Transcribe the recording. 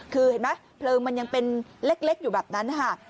คือเห็นไหมเพลิงมันยังเป็นเล็กอยู่แบบนั้นนะคะ